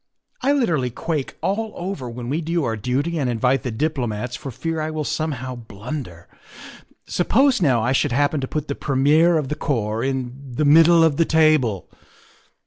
" I literally quake all over when we do our duty and invite the diplomats for fear I will somehow blunder. Suppose, now, I should happen to put the premier of the corps in the middle of the table.